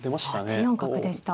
８四角でした。